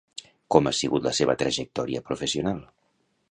Com ha sigut la seva trajectòria professional?